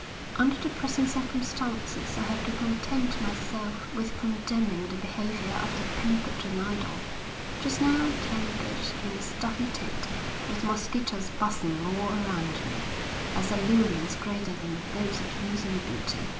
'Under the present circumstances I have to content myself with condemning the behaviour of the pampered and idle. Just now a camp bed in a stuffy tent, with mosquitoes buzzing all around me, has allurements greater than those of youth and beauty.